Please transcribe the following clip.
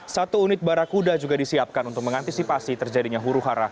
satu unit barakuda juga disiapkan untuk mengantisipasi terjadinya huru hara